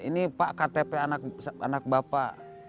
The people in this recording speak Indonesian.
ini pak ktp anak bapak